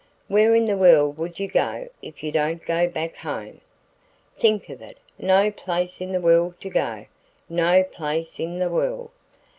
Where in the world will you go if you don't go back home? Think of it no place in the world to go, no place in the world."